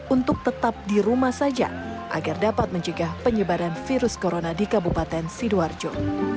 untuk tetap di rumah saja agar dapat mencegah penyebaran virus corona di kabupaten sidoarjo